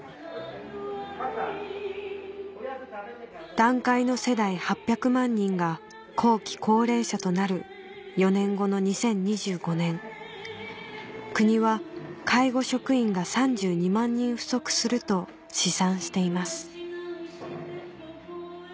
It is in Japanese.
団塊の世代８００万人が後期高齢者となる４年後の２０２５年国は介護職員が３２万人不足すると試算しています